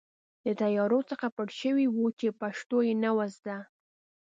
د طیارو څخه پټ شوي وو چې پښتو یې نه وه زده.